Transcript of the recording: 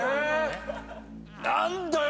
何だよ